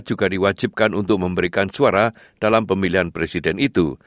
juga diwajibkan untuk memberikan suara dalam pemilihan presiden itu